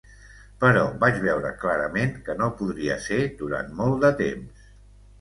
Però vaig veure clarament que no podria ser durant molt de temps.